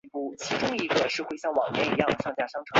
加拉帕戈斯象龟是现存体型最大的陆龟之一。